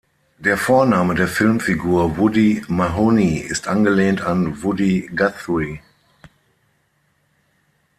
Der Vorname der Filmfigur Woody Mahoney ist angelehnt an Woody Guthrie.